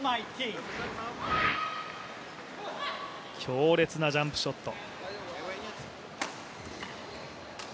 強烈なジャンプショット。